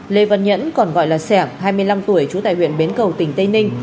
lê vân nhẫn còn gọi là sẻm hai mươi năm tuổi trú tại huyện bến cầu tỉnh tây ninh